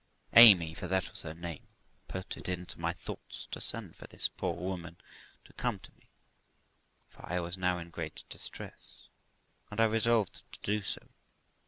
Amy (for that was her name) put it into my thoughts to send for this poor woman to come to me ; for I was now in great distress, and I resolved to do so.